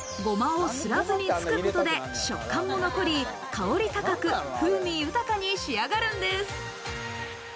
ゴマをすらずに作ることで、食感が残り、香り高く風味豊かに仕上がるんです。